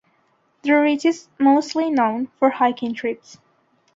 The ridge is mostly known for hiking trips.